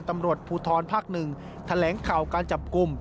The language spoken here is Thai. ตำรวจภูทรภาค๑แถลงข่าวการจับกลุ่ม